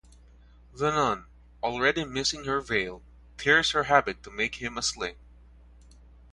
The nun, already missing her veil, tears her habit to make him a sling.